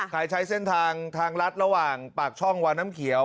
ใช้เส้นทางทางรัฐระหว่างปากช่องวันน้ำเขียว